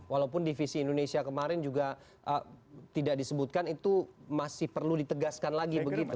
walaupun divisi indonesia kemarin juga tidak disebutkan itu masih perlu ditegaskan lagi begitu